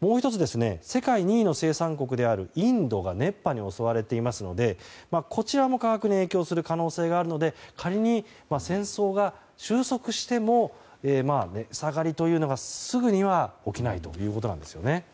もう１つ、世界２位の生産国であるインドが熱波に襲われていますのでこちらも価格に影響する可能性があるので仮に戦争が終息しても、値下がりというのがすぐには起きないということなんですね。